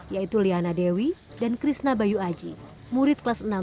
yaitu liana dewi dan krishna bayu aji murid kelas enam